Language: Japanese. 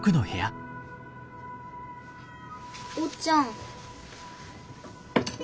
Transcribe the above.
おっちゃん。